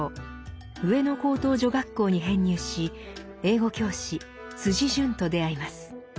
上野高等女学校に編入し英語教師潤と出会います。